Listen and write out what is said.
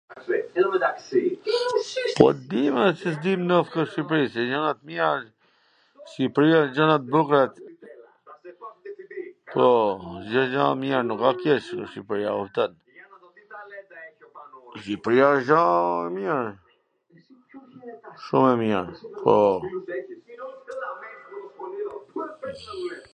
Po dim, mor, si s dim not nw Shqipri, ... se gjanat jan.. Shqipria gjana t bukra , po, Cdo gja a mir, nuk a keq nw Shqipri, a vwrtet, Shqipria wsht gja e mir, tw shohim njw her, po...